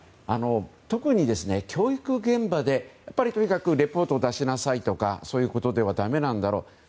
特に教育現場で、とにかくレポートを出しなさいとかそういうことではだめなんだろうと。